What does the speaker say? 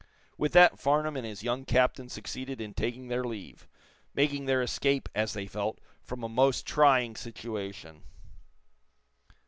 With that Farnum and his young captain succeeded in taking their leave making their escape, as they felt, from a most trying situation.